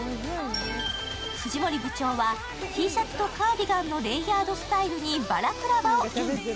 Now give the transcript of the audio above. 藤森部長はＴシャツとカーディガンのレイヤードスタイルにバラクラバをイン。